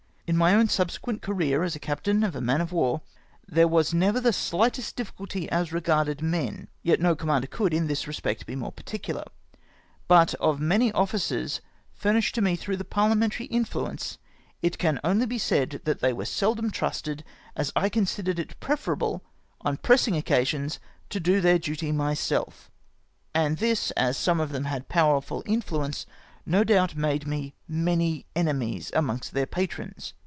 In my own subsequent career as captain of a man of war, there never was the sHghtest difficulty as regarded men ; yet no commander could, in this respect, be more particular ; but of many officers furnished to me p2 68 CArT. COCIIRANE'S capture of FRENCH STORE SHIPS. tlirougli parliamentary influence, it can only be said that they were seldom trusted, as I considered it pre ferable, on pressing occasions, to do their duty myself ; and this, as some of them had powerful influence, no doubt made me many enemies amongst their patrons.